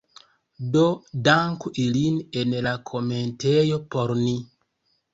Do, danku ilin en la komentejo por ni